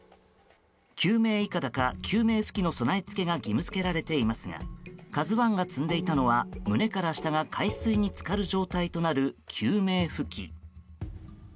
救命いかだか救命浮器の備え付けが義務付けられていますが「ＫＡＺＵ１」が積んでいたのは胸から下が海水に浸かる状態となる救命浮器。